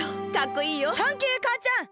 サンキューかあちゃん！